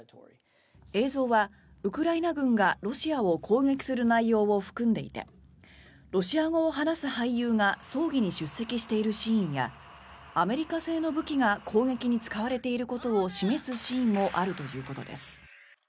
映像はウクライナ軍がロシアを攻撃する内容を含んでいてロシア語を話す俳優が葬儀に出席しているシーンやアメリカ製の武器が攻撃に使われていることを示すシーンもあるということです。